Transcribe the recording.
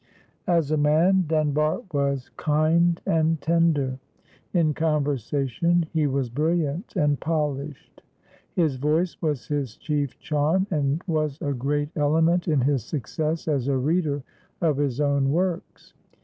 As a man, Dunbar was kind and tender. In conversation he was brilliant and polished. His voice was his chief charm, and was a great element in his success as a reader of his own works.